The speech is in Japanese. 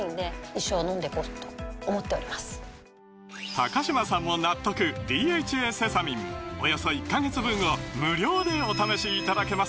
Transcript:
高嶋さんも納得「ＤＨＡセサミン」およそ１カ月分を無料でお試しいただけます